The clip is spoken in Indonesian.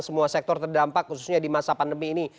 semua sektor terdampak khususnya di masa pandemi ini